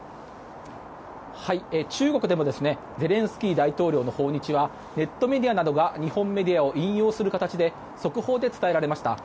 中国でもゼレンスキー大統領の訪日はネットメディアなどが日本メディアを引用する形で速報で伝えられました。